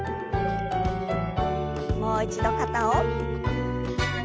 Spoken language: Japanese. もう一度肩を。